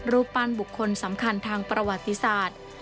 รูปปั้นบุคคลสำคัญทางประวัติศาสตร์